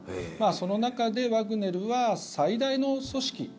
その中でワグネルは最大の組織。